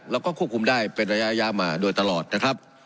แล้วก็ควบคุมได้เป็นระยะมาโดยตลอดนะครับ